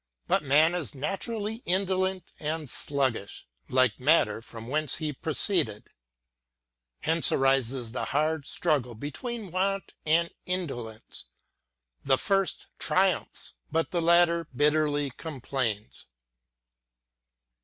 But man is naturally indolent and sluggish, like matter from whence he pro ceeded. Hence arises the hard struggle between want and indolence : the first triumphs, but the latter bitterly com plains.